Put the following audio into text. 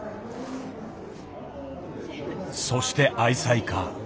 そして愛妻家。